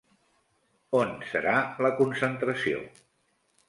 On serà la concentració?